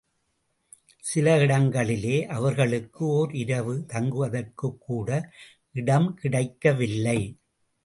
சில இடங்களிலே அவர்களுக்கு ஓர் இரவு தங்ககுவதற்குக் கூட இடம் கிடைக்கவில்லை.